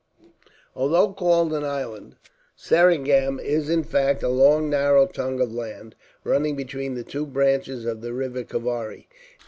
Although called an island, Seringam is in fact a long narrow tongue of land, running between the two branches of the river Kavari.